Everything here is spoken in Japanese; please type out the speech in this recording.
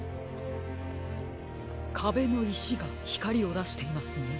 かべのいしがひかりをだしていますね。